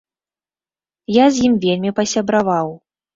Я з ім вельмі пасябраваў.